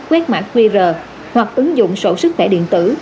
quét mã qr hoặc ứng dụng sổ sức khỏe điện tử